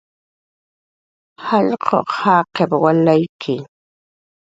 "Jallq'uq jaqip"" walayki"